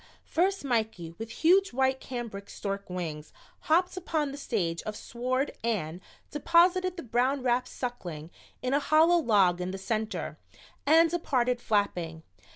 First Mikey, with huge white cambric stork wings, hopped upon the stage of sward and deposited the brown wrapped Suckling in a hollow log in the center, and departed flapping.